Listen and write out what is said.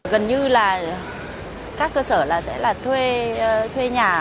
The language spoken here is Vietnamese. gần như là các cơ sở là sẽ là thuê nhà